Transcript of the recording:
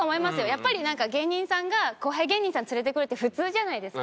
やっぱり芸人さんが後輩芸人さん連れてくるって普通じゃないですか。